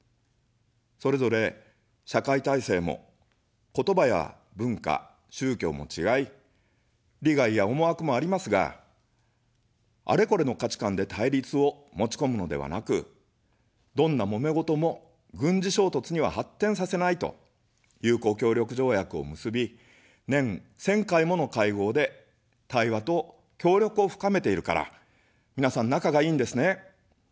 それぞれ社会体制も、言葉や文化、宗教も違い、利害や思惑もありますが、あれこれの価値観で対立を持ちこむのではなく、どんなもめごとも軍事衝突には発展させないと友好協力条約を結び、年１０００回もの会合で対話と協力を深めているから、みなさん仲がいいんですね。